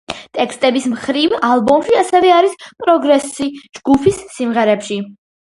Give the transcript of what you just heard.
ტექსტების მხრივ, ალბომში ასევე არის პროგრესი ჯგუფის სიმღერებში.